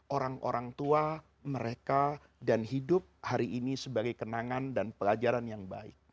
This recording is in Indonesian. orang orang tua mereka dan hidup hari ini sebagai kenangan dan pelajaran yang baik